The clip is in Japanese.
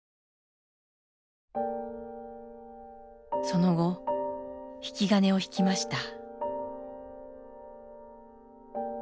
その後引き金を引きました。